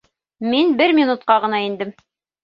— Мин бер минутҡа ғына индем